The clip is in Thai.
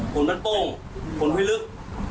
คนมันโต้งคนไว้ลึก